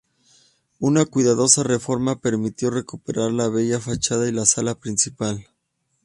Una cuidadosa reforma permitió recuperar la bella fachada y la sala principal.